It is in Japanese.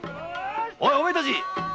おいお前たち！